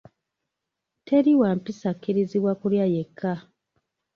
Teri wampisa akkirizibwa kulya yekka.